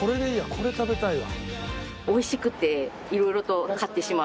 これ食べたいわ。